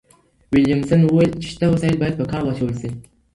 ويلم سن وويل چي شته وسايل بايد په کار واچول سي.